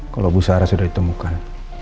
kalo ibu sarah sudah ditemukan